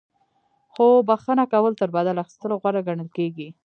خو بخښنه کول تر بدل اخیستلو غوره ګڼل کیږي.